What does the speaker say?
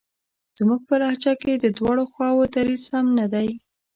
زموږ په لهجه کې د دواړو خواوو دریځ سم نه دی.